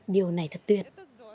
điều này thật tuyệt